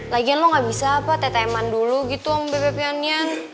lagian lo gak bisa apa teteman dulu gitu sama bebe pianian